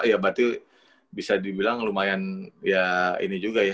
ya berarti bisa dibilang lumayan ya ini juga ya